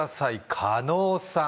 狩野さん